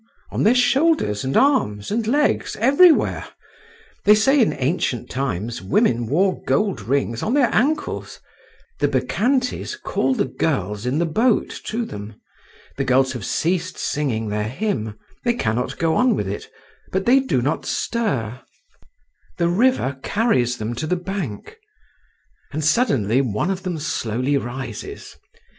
on their shoulders and arms and legs—everywhere. They say in ancient times women wore gold rings on their ankles. The Bacchantes call the girls in the boat to them. The girls have ceased singing their hymn—they cannot go on with it, but they do not stir, the river carries them to the bank. And suddenly one of them slowly rises….